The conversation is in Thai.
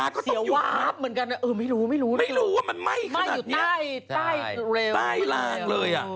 ครีบ